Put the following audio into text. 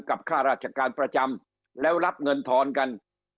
ค่าราชการประจำแล้วรับเงินทอนกัน